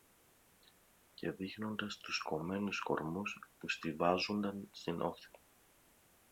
Και δείχνοντας τους κομμένους κορμούς που στοιβάζουνταν στην όχθη